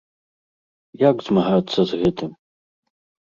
Як змагацца з гэтым?